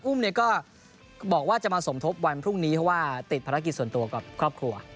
ก็บอกว่าจะมาสมทบวันพรุ่งนี้เพราะว่าติดภารกิจส่วนตัวกับครอบครัว